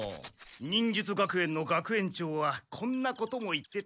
忍術学園の学園長はこんなことも言ってたはずだ。